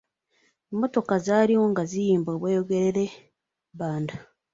Emmotoka zaaliwo nga ziyimba, "Bweyogerere-Bbanda".